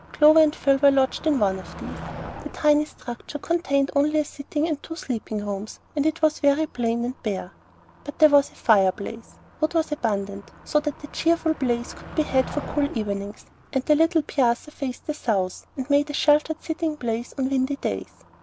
Clover and Phil were lodged in one of these. The tiny structure contained only a sitting and two sleeping rooms, and was very plain and bare. But there was a fireplace; wood was abundant, so that a cheerful blaze could be had for cool evenings; and the little piazza faced the south, and made a sheltered sitting place on windy days.